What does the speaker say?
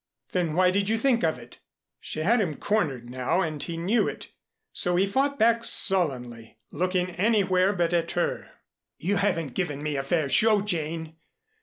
"Then why did you think of it?" She had him cornered now and he knew it, so he fought back sullenly, looking anywhere but at her. "You haven't given me a fair show, Jane.